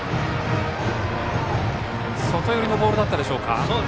外寄りのボールだったでしょうか。